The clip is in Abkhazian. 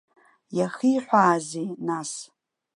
Иахиҳәаазеи, нас?